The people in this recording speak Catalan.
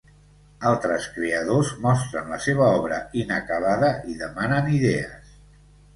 Altres creadors mostren la seva obra inacabada i demanen idees.